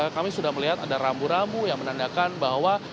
kami sudah melihat ada rambu rambu yang menandakan bahwa